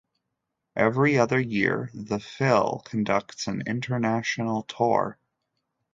Every other year, the Phil conducts an international tour.